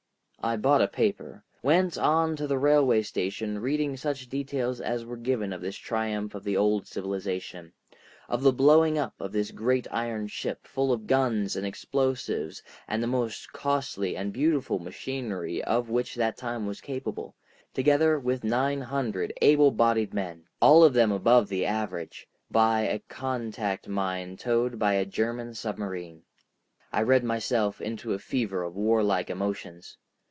I bought a paper, went on to the railway station reading such details as were given of this triumph of the old civilization, of the blowing up of this great iron ship, full of guns and explosives and the most costly and beautiful machinery of which that time was capable, together with nine hundred able bodied men, all of them above the average, by a contact mine towed by a German submarine. I read myself into a fever of warlike emotions.